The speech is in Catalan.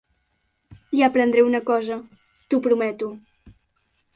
I aprendré una cosa, t'ho prometo.